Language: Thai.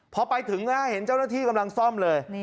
พอไปถึงเห็นเจ้าหน้าที่กำลังซ่อมเลย